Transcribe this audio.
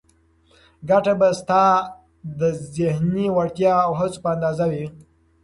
ګټه به ستا د ذهني وړتیا او هڅو په اندازه وي.